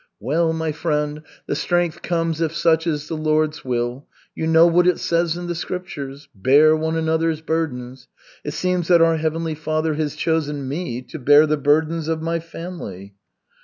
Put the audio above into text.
"Well, my friend, the strength comes if such is the Lord's will. You know what it says in the Scriptures: 'Bear one another's burdens.' It seems that our Heavenly Father has chosen me to bear the burdens of my family."